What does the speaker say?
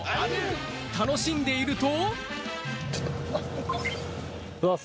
楽しんでいると。